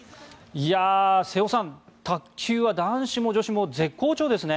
瀬尾さん、卓球は男子も女子も絶好調ですね。